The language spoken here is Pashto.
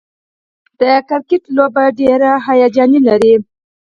د کرکټ لوبه ډېره هیجان لري.